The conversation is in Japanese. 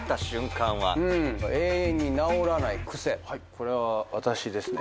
これは私ですね。